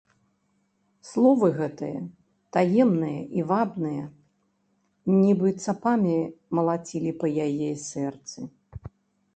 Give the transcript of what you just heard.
Словы гэтыя, таемныя і вабныя, нібы цапамі малацілі па яе сэрцы.